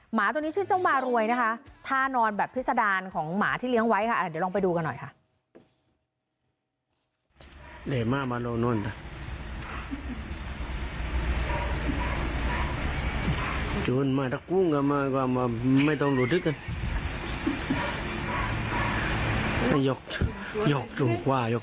หมาตัวนี้ชื่อเจ้ามารวยนะคะท่านอนแบบพิสดารของหมาที่เลี้ยงไว้ค่ะ